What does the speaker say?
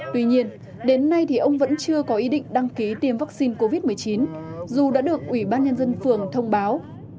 tuy nhiên đến nay thì ông vẫn chưa có ý định đăng ký tiêm vaccine covid một mươi chín dù đã được ủy ban nhân dân phường thông báo